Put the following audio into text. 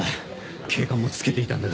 警官もつけていたんだが。